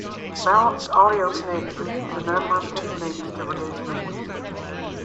Balanced audio connections use a number of techniques to reduce noise.